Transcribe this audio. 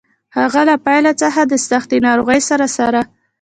هغه له پیل څخه د سختې ناروغۍ سره سره.